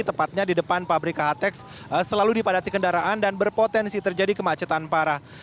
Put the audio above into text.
tepatnya di depan pabrik khtex selalu dipadati kendaraan dan berpotensi terjadi kemacetan parah